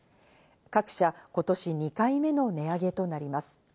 各社今年２回目の値上げとなります。